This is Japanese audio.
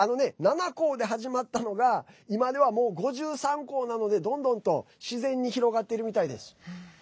７校で始まったのが今では、もう５３校なのでどんどんと自然に広がっているみたいです。